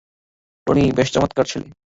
Tony বেশ চমৎকার ছেলে।